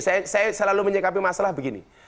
saya selalu menyikapi masalah begini